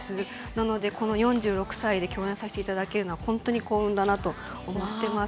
なので、この４６歳で共演させていただくのは本当に幸運だと思っています。